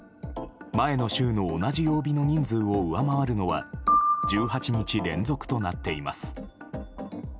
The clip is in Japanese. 前の週の同じ曜日の人数を上回るのは１８日連続となっています。